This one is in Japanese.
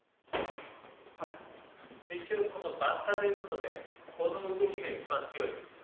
一応このバッタということでこの動きが一番強い。